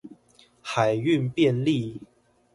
海運便利